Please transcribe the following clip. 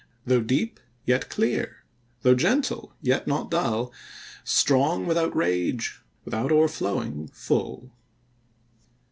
Though deep, yet clear; though gentle, yet not dull; Strong, without rage; without o'erflowing, full.